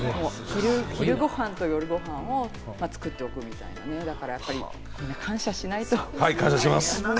昼ごはんと夜ご飯を作っておくみたいなね、みんな感謝しないと。